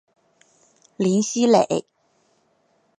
林熙蕾。